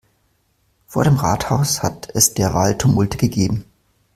Vor dem Rathaus hat es derweil Tumulte gegeben.